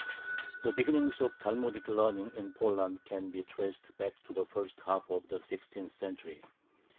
The beginnings of Talmudic learning in Poland can be traced back to the first half of the sixteenth century.